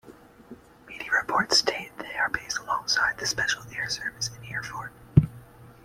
Media reports state they are based alongside the Special Air Service in Hereford.